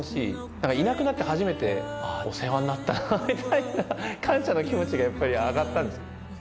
何かいなくなって初めて「あぁお世話になったな」みたいな感謝の気持ちがやっぱり上がったんです。